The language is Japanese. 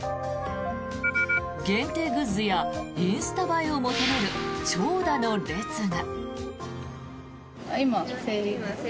限定グッズやインスタ映えを求める長蛇の列が。